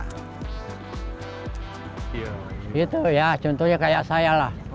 itu ya contohnya kayak saya lah